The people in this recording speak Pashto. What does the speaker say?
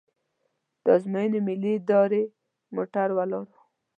د ازموینې ملي ادارې موټر ولاړ و.